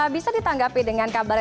bisa ditanggapi dengan kabar apa